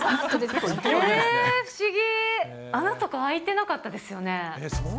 不思議、穴とか開いてなかったですよね。